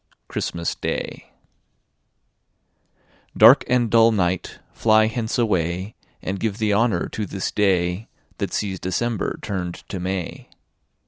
Christmas Day Dark and dull night, flie hence away, And give the honour to this day That Sees December turn'd to May.